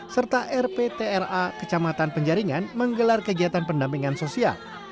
serta rptra kecamatan penjaringan menggelar kegiatan pendampingan sosial